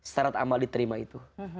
sarat amal diterima itu